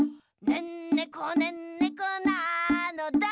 「ねんねこねんねこなのだ」